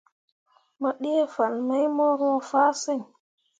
Mo ɗee fan mai mu roo fah siŋ.